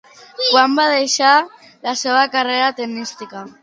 Quan va deixar la seva carrera tenística?